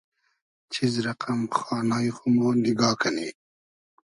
چیز رئقئم خانای خو مۉ نیگا کئنی